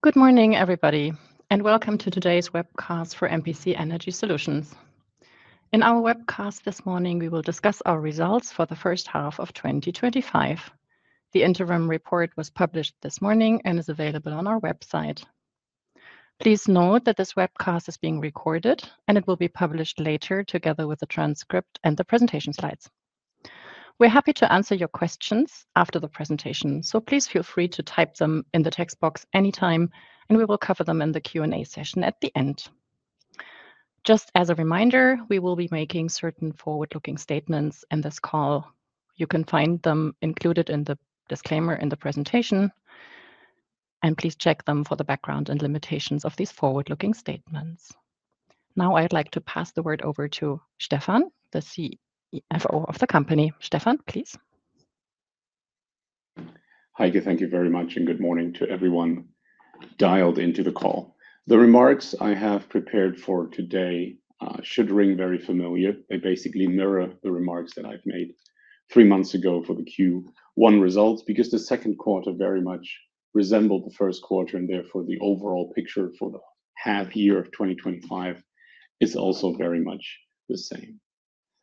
Good morning, everybody, and welcome to today's webcast for MPC Energy Solutions NV. In our webcast this morning, we will discuss our results for the first half of 2025. The interim report was published this morning and is available on our website. Please note that this webcast is being recorded, and it will be published later together with the transcript and the presentation slides. We're happy to answer your questions after the presentation, so please feel free to type them in the text box anytime, and we will cover them in the Q&A session at the end. Just as a reminder, we will be making certain forward-looking statements in this call. You can find them included in the disclaimer in the presentation, and please check them for the background and limitations of these forward-looking statements. Now, I'd like to pass the word over to Stefan, the CFO of the company. Stefan, please. Hi there. Thank you very much, and good morning to everyone dialed into the call. The remarks I have prepared for today should ring very familiar. They basically mirror the remarks that I've made three months ago for the Q1 results because the second quarter very much resembled the first quarter, and therefore the overall picture for the half year of 2025 is also very much the same.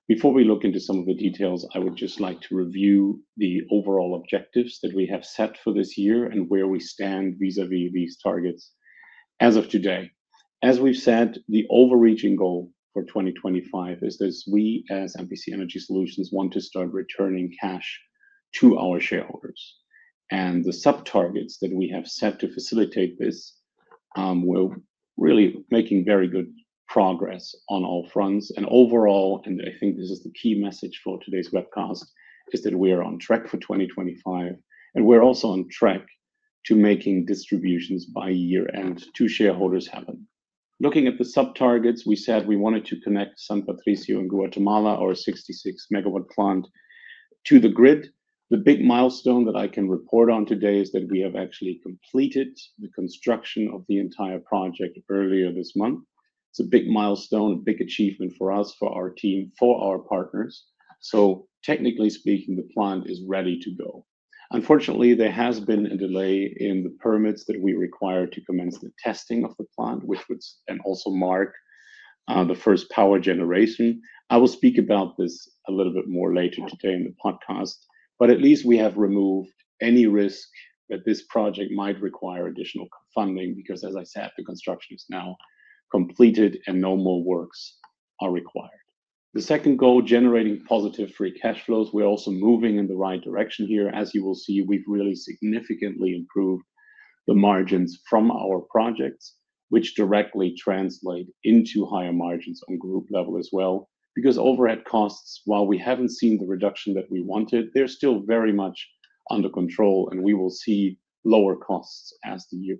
Before we look into some of the details, I would just like to review the overall objectives that we have set for this year and where we stand vis-à-vis these targets as of today. As we've said, the overreaching goal for 2025 is that we as MPC Energy Solutions NV want to start returning cash to our shareholders, and the sub-targets that we have set to facilitate this were really making very good progress on all fronts. Overall, I think this is the key message for today's webcast, is that we are on track for 2025, and we're also on track to making distributions by year-end to shareholders happen. Looking at the sub-targets, we said we wanted to connect San Patricio in Guatemala, our 66 MW plant, to the grid. The big milestone that I can report on today is that we have actually completed the construction of the entire project earlier this month. It's a big milestone, a big achievement for us, for our team, for our partners. Technically speaking, the plant is ready to go. Unfortunately, there has been a delay in the permits that we require to commence the testing of the plant and also mark the first power generation. I will speak about this a little bit more later today in the podcast, but at least we have removed any risk that this project might require additional funding because, as I said, the construction is now completed and no more works are required. The second goal, generating positive free cash flows, we're also moving in the right direction here. As you will see, we've really significantly improved the margins from our projects, which directly translate into higher margins on group level as well because overhead costs, while we haven't seen the reduction that we wanted, they're still very much under control, and we will see lower costs as the year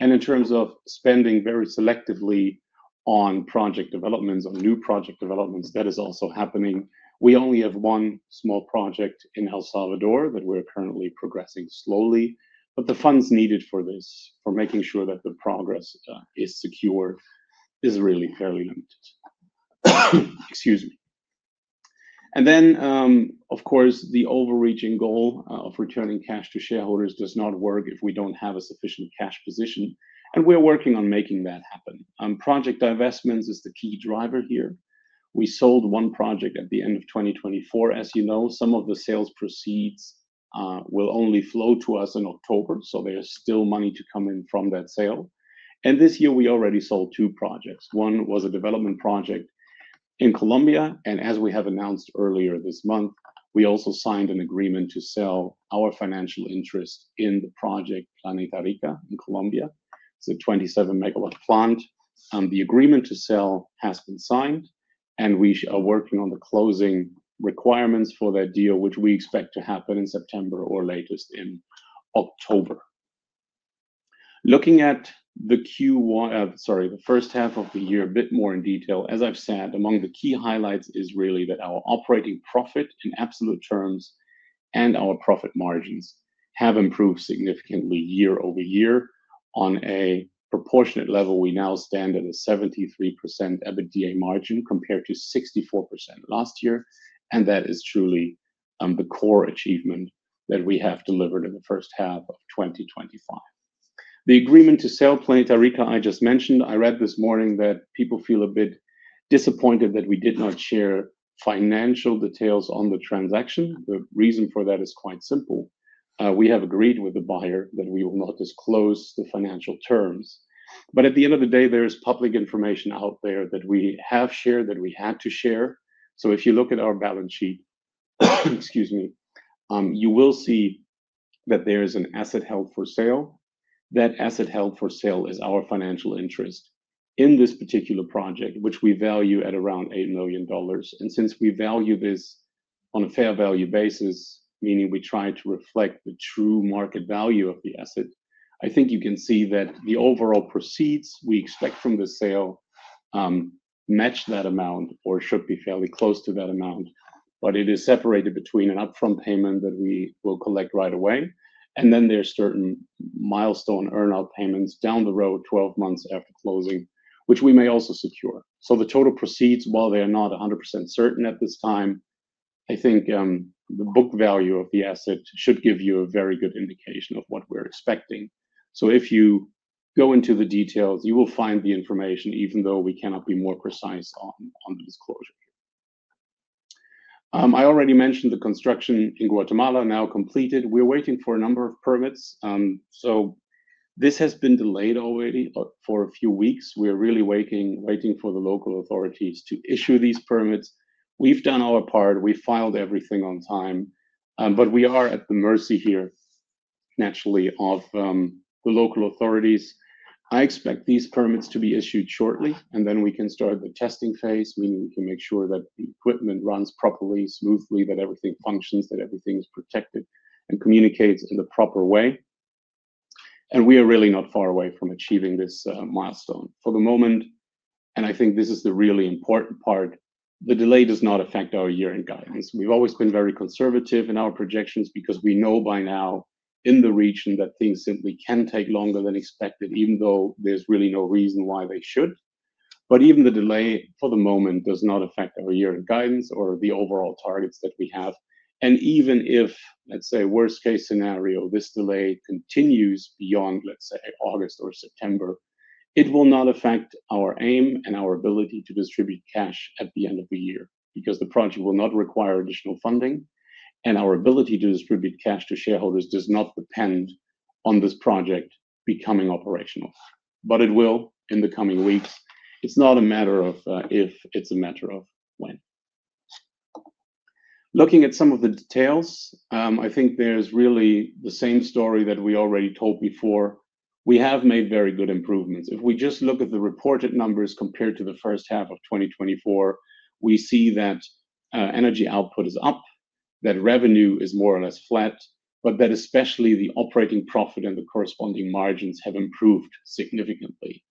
progresses. In terms of spending very selectively on project developments, on new project developments, that is also happening. We only have one small project in El Salvador that we're currently progressing slowly, but the funds needed for this, for making sure that the progress is secure, is really fairly limited. Excuse me. Of course, the overreaching goal of returning cash to shareholders does not work if we don't have a sufficient cash position, and we're working on making that happen. Project divestments is the key driver here. We sold one project at the end of 2024. As you know, some of the sales proceeds will only flow to us in October, so there's still money to come in from that sale. This year, we already sold two projects. One was a development project in Colombia, and as we have announced earlier this month, we also signed an agreement to sell our financial interest in the Planeta Rica project in Colombia. It's a 27 MW plant. The agreement to sell has been signed, and we are working on the closing requirements for that deal, which we expect to happen in September or latest in October. Looking at the Q1, sorry, the first half of the year a bit more in detail, as I've said, among the key highlights is really that our operating profit in absolute terms and our profit margins have improved significantly year-over-year on a proportionate level. We now stand at a 73% EBITDA margin compared to 64% last year, and that is truly the core achievement that we have delivered in the first half of 2025. The agreement to sell Planeta Rica I just mentioned, I read this morning that people feel a bit disappointed that we did not share financial details on the transaction. The reason for that is quite simple. We have agreed with the buyer that we will not disclose the financial terms, but at the end of the day, there is public information out there that we have shared, that we had to share. If you look at our balance sheet, excuse me, you will see that there is an asset held for sale. That asset held for sale is our financial interest in this particular project, which we value at around $8 million. Since we value this on a fair value basis, meaning we try to reflect the true market value of the asset, I think you can see that the overall proceeds we expect from the sale match that amount or should be fairly close to that amount, but it is separated between an upfront payment that we will collect right away, and then there's certain milestone earnout payments down the road, 12 months after closing, which we may also secure. The total proceeds, while they are not 100% certain at this time, I think the book value of the asset should give you a very good indication of what we're expecting. If you go into the details, you will find the information, even though we cannot be more precise on the disclosure. I already mentioned the construction in Guatemala now completed. We're waiting for a number of permits. This has been delayed already for a few weeks. We are really waiting for the local authorities to issue these permits. We've done our part. We filed everything on time, but we are at the mercy here, naturally, of the local authorities. I expect these permits to be issued shortly, and then we can start the testing phase, meaning we can make sure that the equipment runs properly, smoothly, that everything functions, that everything is protected and communicates in the proper way. We are really not far away from achieving this milestone for the moment, and I think this is the really important part. The delay does not affect our year-end guidance. We've always been very conservative in our projections because we know by now in the region that things simply can take longer than expected, even though there's really no reason why they should. Even the delay for the moment does not affect our year-end guidance or the overall targets that we have. Even if, let's say, worst-case scenario, this delay continues beyond, let's say, August or September, it will not affect our aim and our ability to distribute cash at the end of the year because the project will not require additional funding, and our ability to distribute cash to shareholders does not depend on this project becoming operational. It will in the coming weeks. It's not a matter of if, it's a matter of when. Looking at some of the details, I think there's really the same story that we already told before. We have made very good improvements. If we just look at the reported numbers compared to the first half of 2024, we see that energy output is up, that revenue is more or less flat, but that especially the operating profit and the corresponding margins have improved significantly.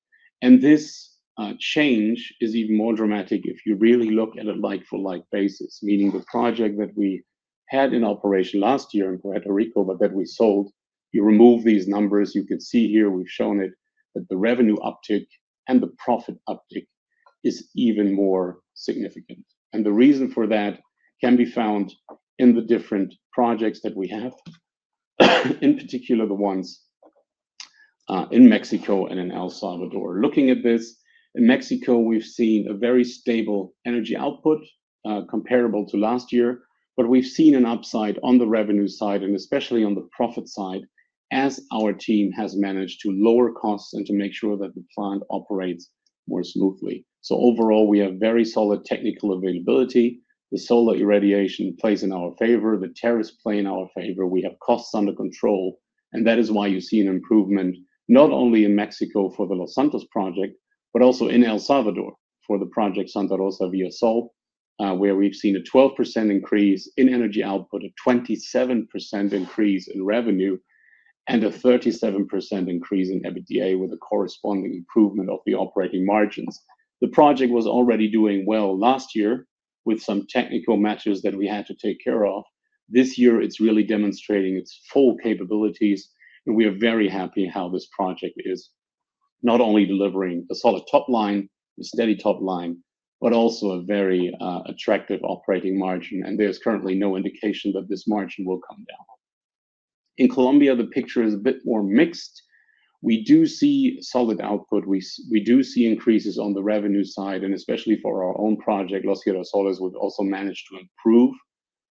This change is even more dramatic if you really look at a like-for-like basis, meaning the project that we had in operation last year in Planeta Rica, but that we sold, you remove these numbers, you can see here, we've shown it, that the revenue uptick and the profit uptick is even more significant. The reason for that can be found in the different projects that we have, in particular the ones in Mexico and in El Salvador. Looking at this, in Mexico, we've seen a very stable energy output comparable to last year, but we've seen an upside on the revenue side and especially on the profit side as our team has managed to lower costs and to make sure that the plant operates more smoothly. Overall, we have very solid technical availability. The solar irradiation plays in our favor. The tariffs play in our favor. We have costs under control, and that is why you see an improvement not only in Mexico for the Los Santos project, but also in El Salvador for the Santa Rosa Via Sol project, where we've seen a 12% increase in energy output, a 27% increase in revenue, and a 37% increase in EBITDA with a corresponding improvement of the operating margins. The project was already doing well last year with some technical matters that we had to take care of. This year, it's really demonstrating its full capabilities, and we are very happy how this project is not only delivering a solid top line, a steady top line, but also a very attractive operating margin, and there's currently no indication that this margin will come down. In Colombia, the picture is a bit more mixed. We do see solid output. We do see increases on the revenue side, and especially for our own project, Los Hierros Solar, we've also managed to improve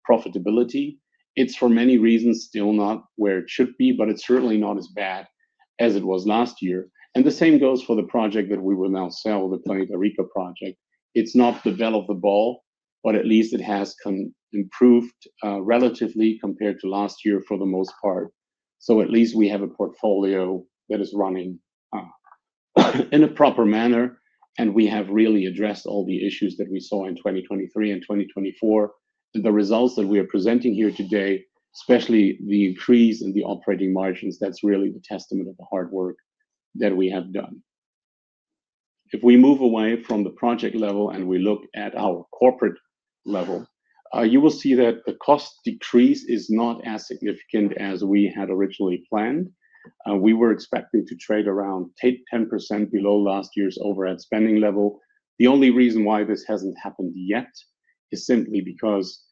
profitability. It's, for many reasons, still not where it should be, but it's certainly not as bad as it was last year. The same goes for the project that we will now sell, the Planeta Rica project. It's not the ball of the day, but at least it has improved relatively compared to last year for the most part. At least we have a portfolio that is running in a proper manner, and we have really addressed all the issues that we saw in 2023 and 2024. The results that we are presenting here today, especially the increase in the operating margins, that's really the testament of the hard work that we have done. If we move away from the project level and we look at our corporate level, you will see that the cost decrease is not as significant as we had originally planned. We were expected to trade around 10% below last year's overhead spending level. The only reason why this hasn't happened yet is simply because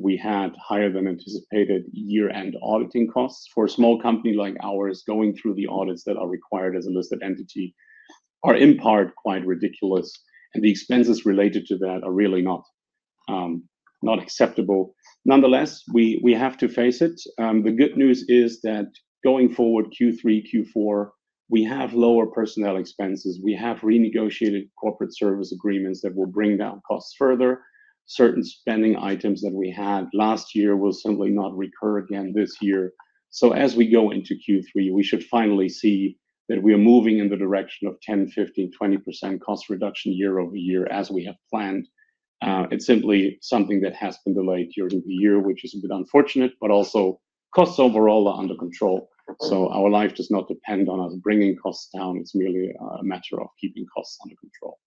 we had higher than anticipated year-end auditing costs. For a small company like ours, going through the audits that are required as a listed entity are in part quite ridiculous, and the expenses related to that are really not acceptable. Nonetheless, we have to face it. The good news is that going forward, Q3, Q4, we have lower personnel expenses. We have renegotiated corporate service agreements that will bring down costs further. Certain spending items that we had last year will simply not recur again this year. As we go into Q3, we should finally see that we are moving in the direction of 10%, 15%, 20% cost reduction year-over-year as we have planned. It's simply something that has been delayed during the year, which is a bit unfortunate, but also costs overall are under control. Our life does not depend on us bringing costs down. It's merely a matter of keeping costs under control.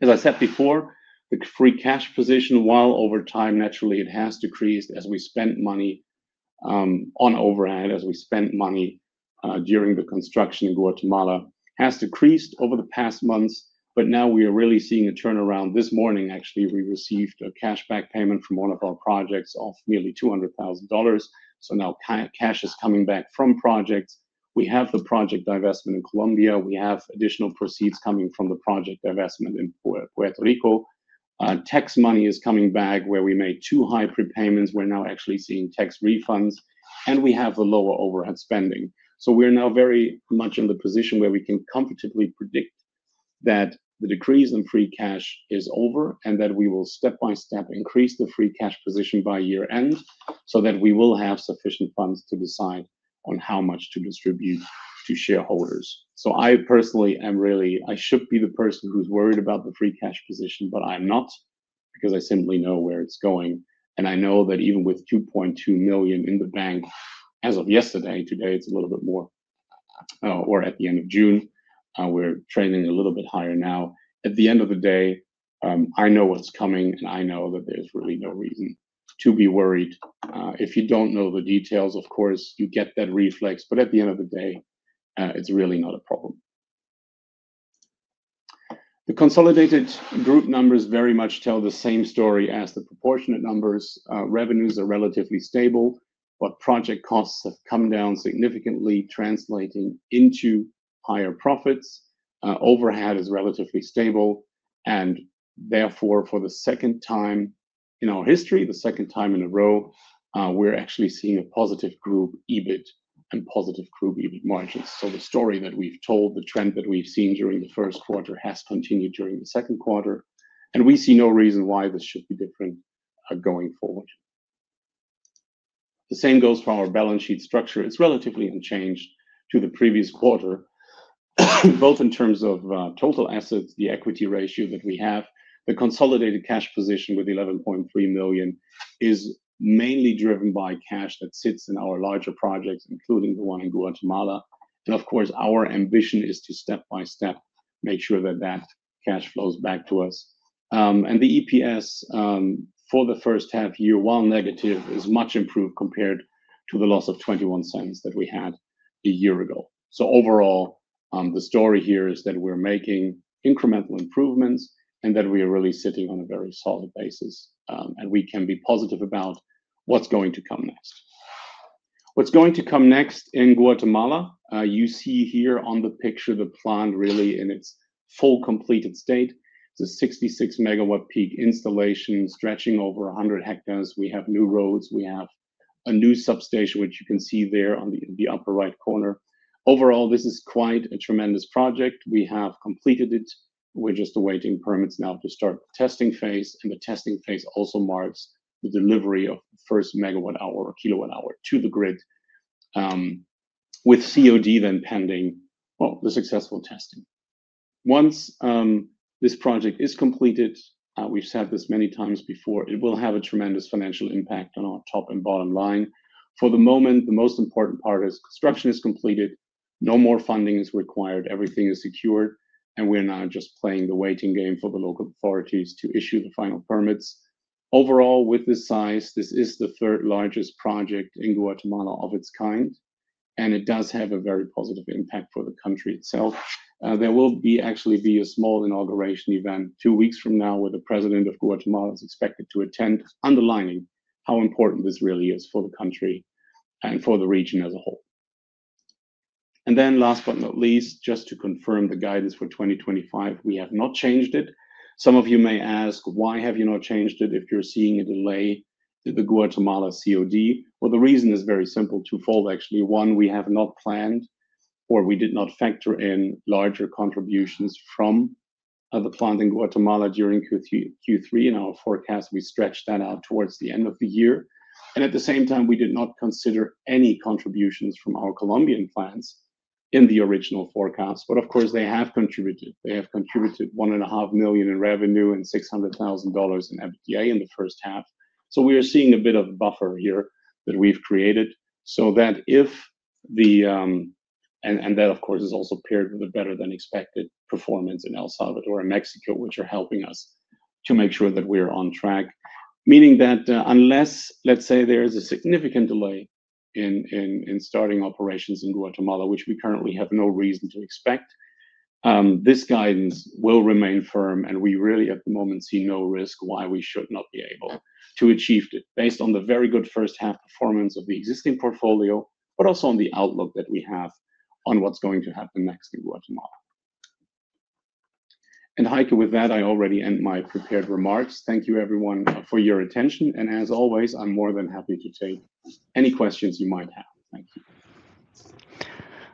As I said before, the free cash position, while over time, naturally, it has decreased as we spent money on overhead, as we spent money during the construction in Guatemala, has decreased over the past months, but now we are really seeing a turnaround. This morning, actually, we received a cashback payment from one of our projects of nearly $200,000. Now cash is coming back from projects. We have the project divestment in Colombia. We have additional proceeds coming from the project divestment in Puerto Rico. Tax money is coming back where we made too high prepayments. We're now actually seeing tax refunds, and we have a lower overhead spending. We are now very much in the position where we can comfortably predict that the decrease in free cash is over and that we will step by step increase the free cash position by year-end so that we will have sufficient funds to decide on how much to distribute to shareholders. I personally am really, I should be the person who's worried about the free cash position, but I'm not because I simply know where it's going. I know that even with $2.2 million in the bank as of yesterday, today it's a little bit more, or at the end of June, we're trading a little bit higher now. At the end of the day, I know what's coming, and I know that there's really no reason to be worried. If you don't know the details, of course, you get that reflex, but at the end of the day, it's really not a problem. The consolidated group numbers very much tell the same story as the proportionate numbers. Revenues are relatively stable, but project costs have come down significantly, translating into higher profits. Overhead is relatively stable, and therefore, for the second time in our history, the second time in a row, we're actually seeing a positive group EBIT and positive group EBIT margins. The story that we've told, the trend that we've seen during the first quarter has continued during the second quarter, and we see no reason why this should be different going forward. The same goes for our balance sheet structure. It's relatively unchanged to the previous quarter, both in terms of total assets, the equity ratio that we have. The consolidated cash position with $11.3 million is mainly driven by cash that sits in our larger projects, including the one in Guatemala. Our ambition is to step by step make sure that that cash flows back to us. The EPS for the first half year, while negative, is much improved compared to the loss of $0.21 that we had a year ago. Overall, the story here is that we're making incremental improvements and that we are really sitting on a very solid basis, and we can be positive about what's going to come next. What's going to come next in Guatemala? You see here on the picture the plant really in its full completed state. It's a 66 MW peak installation stretching over 100 hectares. We have new roads. We have a new substation, which you can see there in the upper right corner. Overall, this is quite a tremendous project. We have completed it. We're just awaiting permits now to start the testing phase, and the testing phase also marks the delivery of the first megawatt-hour or kilowatt-hour to the grid with COD then pending, the successful testing. Once this project is completed, we've said this many times before, it will have a tremendous financial impact on our top and bottom line. For the moment, the most important part is construction is completed. No more funding is required. Everything is secured, and we're now just playing the waiting game for the local authorities to issue the final permits. Overall, with this size, this is the third largest project in Guatemala of its kind, and it does have a very positive impact for the country itself. There will actually be a small inauguration event two weeks from now where the President of Guatemala is expected to attend, underlining how important this really is for the country and for the region as a whole. Last but not least, just to confirm the guidance for 2025, we have not changed it. Some of you may ask, why have you not changed it if you're seeing a delay with the Guatemala COD? The reason is very simple: 2x, actually. One, we have not planned or we did not factor in larger contributions from the plant in Guatemala during Q3. In our forecast, we stretched that out towards the end of the year. At the same time, we did not consider any contributions from our Colombian plants in the original forecast. Of course, they have contributed. They have contributed $1.5 million in revenue and $600,000 in EBITDA in the first half. We are seeing a bit of a buffer here that we've created. If there is a significant delay in starting operations in Guatemala, which we currently have no reason to expect, this guidance will remain firm. We really, at the moment, see no risk why we should not be able to achieve it based on the very good first-half performance of the existing portfolio, but also on the outlook that we have on what's going to happen next in Guatemala. Heike, with that, I already end my prepared remarks. Thank you, everyone, for your attention. As always, I'm more than happy to take any questions you might have.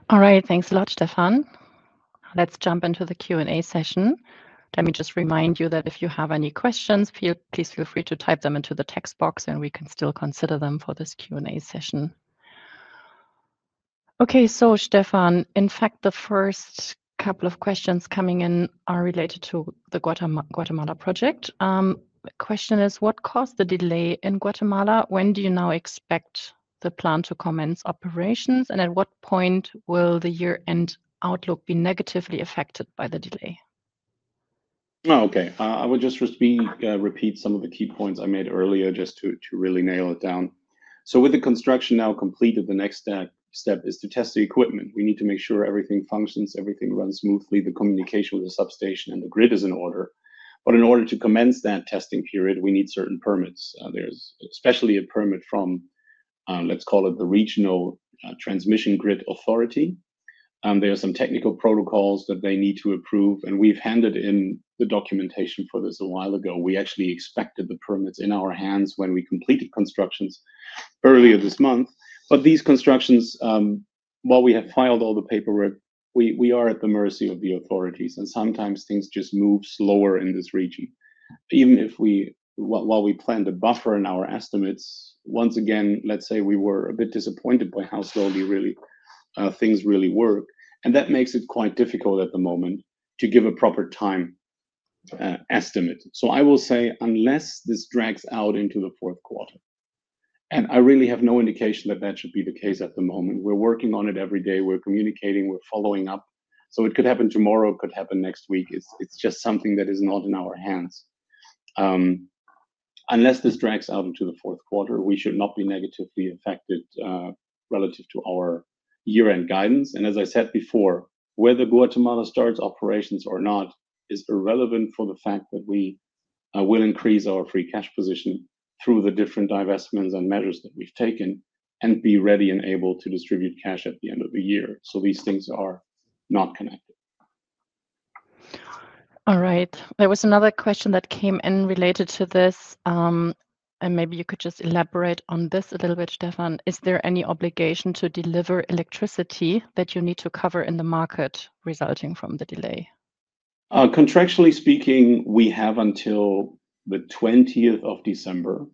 All right. Thanks a lot, Stefan. Let's jump into the Q&A session. Let me just remind you that if you have any questions, please feel free to type them into the text box, and we can still consider them for this Q&A session. OK, Stefan, in fact, the first couple of questions coming in are related to the Guatemala project. The question is, what caused the delay in Guatemala? When do you now expect the plant to commence operations, and at what point will the year-end outlook be negatively affected by the delay? OK. I will just repeat some of the key points I made earlier just to really nail it down. With the construction now completed, the next step is to test the equipment. We need to make sure everything functions, everything runs smoothly, the communication with the substation, and the grid is in order. In order to commence that testing period, we need certain permits. There's especially a permit from, let's call it, the Regional Transmission Grid Authority. There are some technical protocols that they need to approve, and we've handed in the documentation for this a while ago. We actually expected the permits in our hands when we completed construction earlier this month. While we have filed all the paperwork, we are at the mercy of the authorities, and sometimes things just move slower in this region. Even if we planned a buffer in our estimates, once again, let's say we were a bit disappointed by how slowly things really work, and that makes it quite difficult at the moment to give a proper time estimate. I will say, unless this drags out into the fourth quarter, and I really have no indication that that should be the case at the moment. We're working on it every day. We're communicating. We're following up. It could happen tomorrow. It could happen next week. It's just something that is not in our hands. Unless this drags out into the fourth quarter, we should not be negatively affected relative to our year-end guidance. As I said before, whether Guatemala starts operations or not is irrelevant for the fact that we will increase our free cash position through the different divestments and measures that we've taken and be ready and able to distribute cash at the end of the year. These things are not connected. All right. There was another question that came in related to this, and maybe you could just elaborate on this a little bit, Stefan. Is there any obligation to deliver electricity that you need to cover in the market resulting from the delay? Contractually speaking, we have until the 20th of December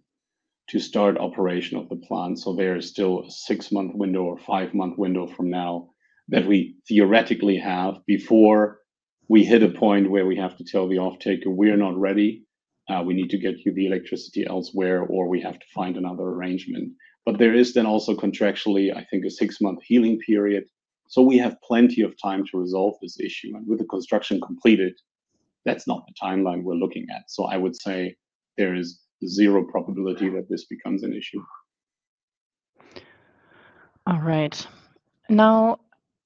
to start operation of the plant. There is still a six-month window or a five-month window from now that we theoretically have before we hit a point where we have to tell the off-taker we are not ready. We need to get you the electricity elsewhere, or we have to find another arrangement. There is then also contractually, I think, a six-month healing period. We have plenty of time to resolve this issue. With the construction completed, that's not the timeline we're looking at. I would say there is zero probability that this becomes an issue. All right. Now,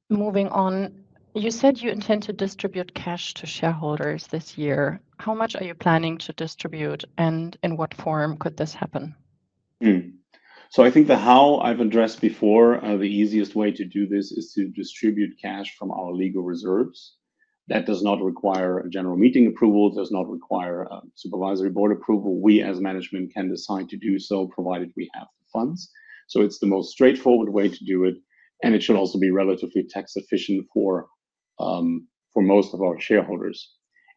moving on, you said you intend to distribute cash to shareholders this year. How much are you planning to distribute, and in what form could this happen? I think, as I've addressed before, the easiest way to do this is to distribute cash from our legal reserves. That does not require a general meeting approval. It does not require Supervisory Board approval. We, as management, can decide to do so provided we have funds. It's the most straightforward way to do it, and it should also be relatively tax-efficient for most of our shareholders.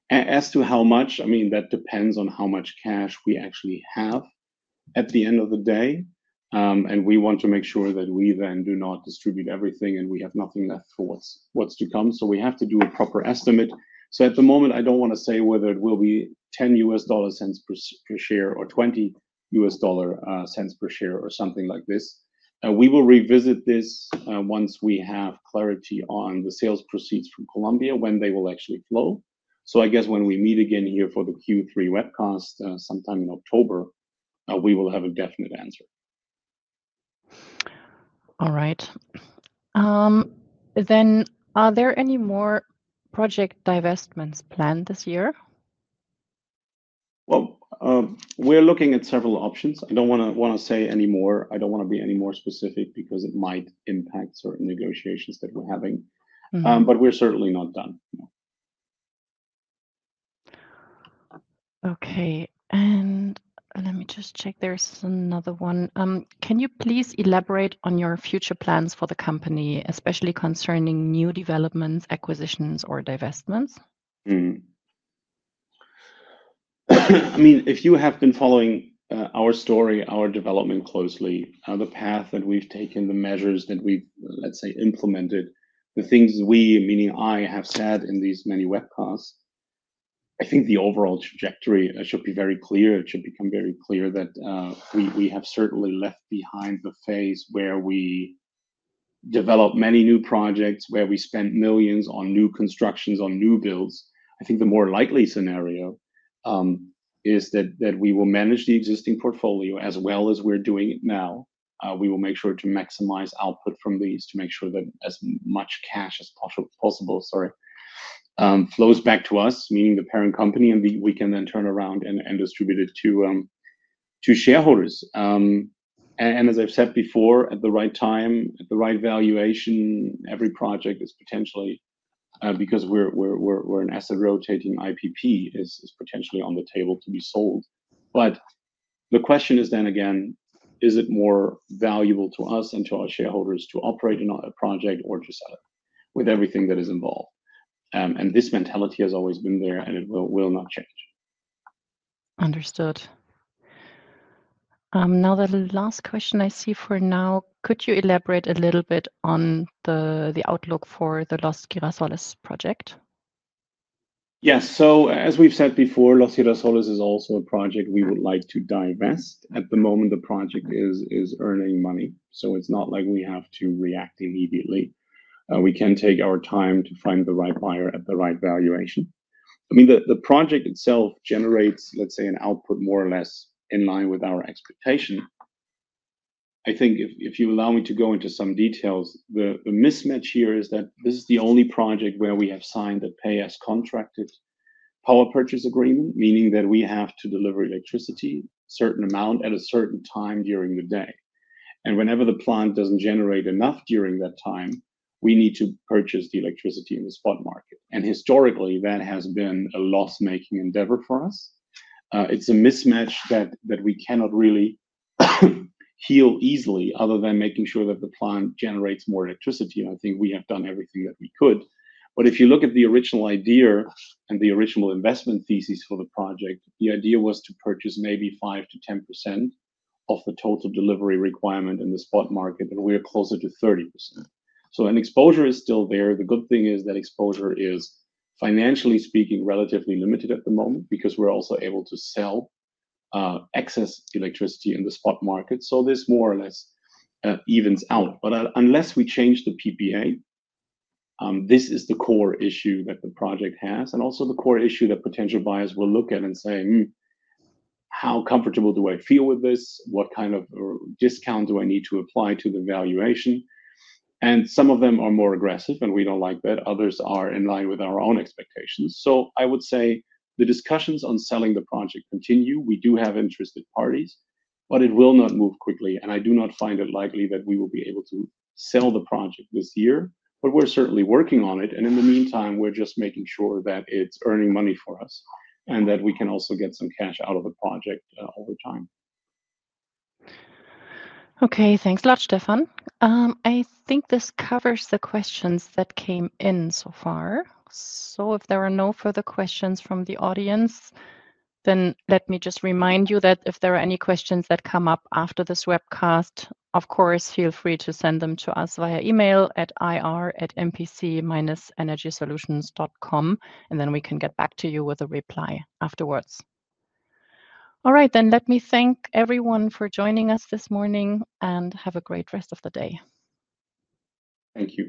As to how much, that depends on how much cash we actually have at the end of the day, and we want to make sure that we then do not distribute everything and we have nothing left for what's to come. We have to do a proper estimate. At the moment, I don't want to say whether it will be $0.10 per share or $0.20 per share or something like this. We will revisit this once we have clarity on the sales proceeds from Colombia, when they will actually flow. I guess when we meet again here for the Q3 webcast sometime in October, we will have a definite answer. All right. Are there any more project divestments planned this year? We are looking at several options. I don't want to say any more. I don't want to be any more specific because it might impact certain negotiations that we're having, but we're certainly not done. OK. Let me just check. There's another one. Can you please elaborate on your future plans for the company, especially concerning new developments, acquisitions, or divestments? If you have been following our story, our development closely, the path that we've taken, the measures that we implemented, the things we, meaning I, have said in these many webcasts, I think the overall trajectory should be very clear. It should become very clear that we have certainly left behind the phase where we develop many new projects, where we spent millions on new constructions, on new builds. I think the more likely scenario is that we will manage the existing portfolio as well as we're doing it now. We will make sure to maximize output from these to make sure that as much cash as possible flows back to us, meaning the parent company, and we can then turn around and distribute it to shareholders. As I've said before, at the right time, at the right valuation, every project is potentially, because we're an asset-rotating IPP, is potentially on the table to be sold. The question is then again, is it more valuable to us and to our shareholders to operate in a project or to sell it with everything that is involved? This mentality has always been there, and it will not change. Understood. Now, the last question I see for now, could you elaborate a little bit on the outlook for the Los Hierros Solar project? Yes. As we've said before, Los Hierros Solar is also a project we would like to divest. At the moment, the project is earning money. It's not like we have to react immediately. We can take our time to find the right buyer at the right valuation. I mean, the project itself generates, let's say, an output more or less in line with our expectation. If you allow me to go into some details, the mismatch here is that this is the only project where we have signed the pay-as-contracted PPA structure, meaning that we have to deliver electricity, a certain amount at a certain time during the day. Whenever the plant doesn't generate enough during that time, we need to purchase the electricity in the spot market. Historically, that has been a loss-making endeavor for us. It's a mismatch that we cannot really heal easily other than making sure that the plant generates more electricity. I think we have done everything that we could. If you look at the original idea and the original investment thesis for the project, the idea was to purchase maybe 5%-10% of the total delivery requirement in the spot market, and we're closer to 30%. An exposure is still there. The good thing is that exposure is, financially speaking, relatively limited at the moment because we're also able to sell excess electricity in the spot market. This more or less evens out. Unless we change the PPA, this is the core issue that the project has and also the core issue that potential buyers will look at and say, how comfortable do I feel with this? What kind of discount do I need to apply to the valuation? Some of them are more aggressive, and we don't like that. Others are in line with our own expectations. I would say the discussions on selling the project continue. We do have interested parties, but it will not move quickly. I do not find it likely that we will be able to sell the project this year, but we're certainly working on it. In the meantime, we're just making sure that it's earning money for us and that we can also get some cash out of the project over time. OK. Thanks a lot, Stefan. I think this covers the questions that came in so far. If there are no further questions from the audience, let me just remind you that if there are any questions that come up after this webcast, of course, feel free to send them to us via email at ir@mpc-energysolutions.com, and we can get back to you with a reply afterwards. All right. Let me thank everyone for joining us this morning and have a great rest of the day. Thank you.